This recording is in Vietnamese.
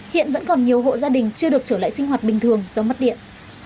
hiện vẫn còn nhiều hộ gia đình chưa được trở lại sinh hoạt bình thường do mất điện